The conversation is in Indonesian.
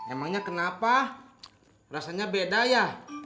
emangnya kenapa rasanya beda ya